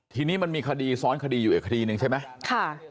ทีนี้มันมีคดีซ้อนคดีอยู่อีกคดีหนึ่งใช่ไหม